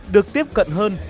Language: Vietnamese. được tiếp cận hơn